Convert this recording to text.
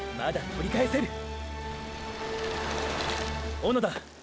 小野田。